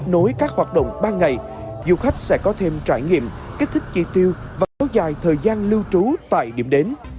kết nối các hoạt động ban ngày du khách sẽ có thêm trải nghiệm kích thích chi tiêu và kéo dài thời gian lưu trú tại điểm đến